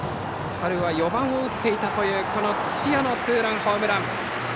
春は４番を打っていたという土屋のツーランホームラン。